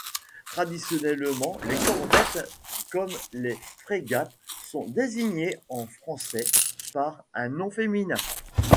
Traditionnellement, les corvettes, comme les frégates, sont désignées en français par un nom féminin.